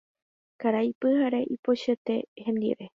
Karai Pyhare ipochyete hendive.